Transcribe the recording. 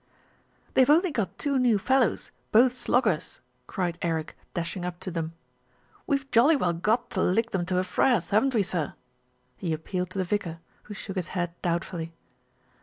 "They've only got two new fellows, both sloggers," cried Eric, dashing up to them. "We've jolly well got to lick them to a fraz, haven't we, sir?" he appealed to the vicar, who shook his head doubtfully.